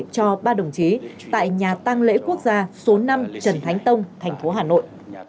cho ba đồng chí tại nhà tăng lễ quốc gia số năm trần thánh tông thành phố hà nội